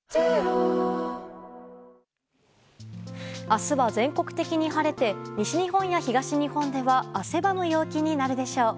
明日は全国的に晴れて西日本や東日本では汗ばむ陽気になるでしょう。